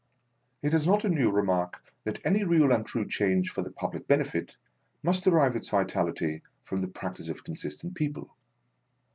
IT is not a new remark, that any real and true change for the public benefit, must de rive its vitality from the practice of con sistent people.